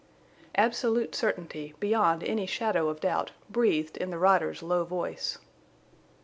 Absolute certainty, beyond any shadow of doubt, breathed in the rider's low voice.